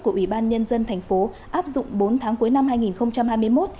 của ủy ban nhân dân thành phố áp dụng bốn tháng cuối năm hai nghìn hai mươi một